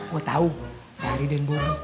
gue tahu dari denbobi